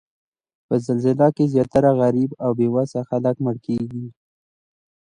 په زلزله کې زیاتره غریب او بې وسه خلک مړه کیږي